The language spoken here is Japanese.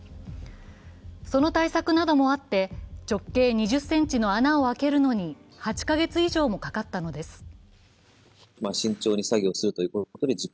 その対策などもあって直径２０ｃｍの穴を開けるのに８カ月以上もかかったのです。